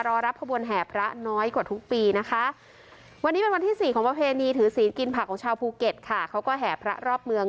รอรับขบวนแห่พระน้อยกว่าทุกปีนะคะวันนี้เป็นวันที่สี่ของประเพณีถือศีลกินผักของชาวภูเก็ตค่ะเขาก็แห่พระรอบเมือง